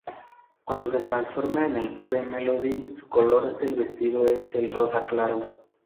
Cuando se transforma en Cure Melody su color del vestido es el rosa claro.